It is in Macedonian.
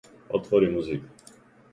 Отвори Музика.